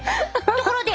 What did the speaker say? ところで！